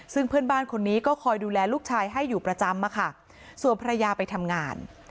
ซึ่งเพื่อนบ้านคนนี้ก็คอยดูแลลูกชายให้อยู่ประจำอะค่ะส่วนภรรยาไปทำงาน